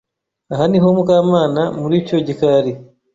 Aho niho Mukamana muricyo gikar